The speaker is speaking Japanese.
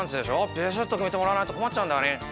ビシッと決めてもらわないと困っちゃうんだよね